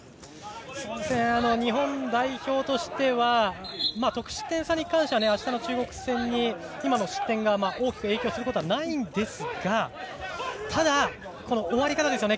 日本代表としては得失点差に関してはあしたの中国戦に今の失点が大きく影響することはないんですがただ、終わり方ですね